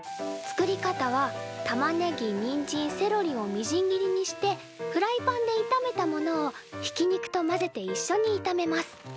作り方はたまねぎにんじんセロリをみじん切りにしてフライパンでいためたものをひき肉と混ぜていっしょにいためます。